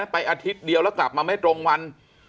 อาทิตย์เดียวแล้วกลับมาไม่ตรงวัน